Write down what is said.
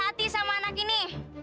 hati sama anak ini